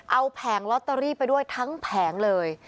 เอาแผงลอตเตอรี่ไปด้วยทั้งแผงเลย